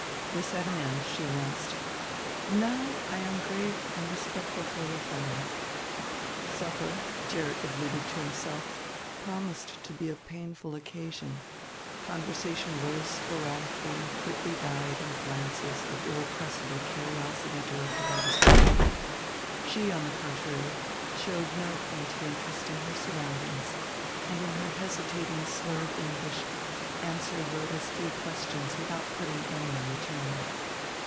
This at an end she announced, "Now I am grave and respectful for your family." Supper, Gerrit admitted to himself, promised to be a painful occasion; conversation rose sporadically and quickly died in glances of irrepressible curiosity directed at his wife. She, on the contrary, showed no pointed interest in her surroundings; and, in her hesitating slurred English, answered Rhoda's few questions without putting any in return.